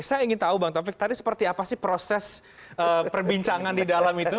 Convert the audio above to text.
saya ingin tahu bang taufik tadi seperti apa sih proses perbincangan di dalam itu